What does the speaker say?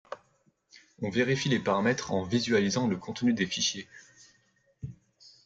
On vérifie les paramètres en visualisant le contenu des fichiers.